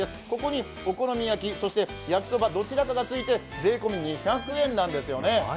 ここにお好み焼き、そして焼きそば、どちらかがついて税込み２００円なんですよね。